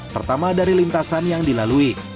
pertama dari lintasan yang dilalui